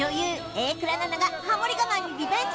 榮倉奈々がハモリ我慢にリベンジ